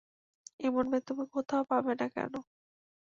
এমন মেয়ে তুমি কোথাও পাবে না কেন?